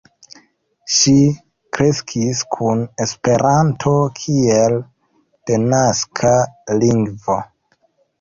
Ŝi kreskis kun Esperanto kiel denaska lingvo.